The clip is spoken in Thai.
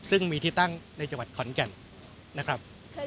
ซึ่งมีที่ตั้งในจังหวัดขอนแก่นนะครับ